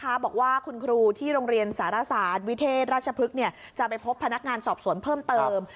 บอกว่าคุณครูที่โรงเรียนสารศาสตร์วิเทศราชพฤกษ์จะไปพบพนักงานสอบสวนเพิ่มเติม